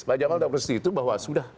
pak jamal tahu persis itu bahwa sudah